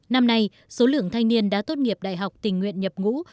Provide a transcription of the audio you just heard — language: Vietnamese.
năm nay số lượng thanh niên đã tốt nghiệp đại học tình nguyện nhập ngũ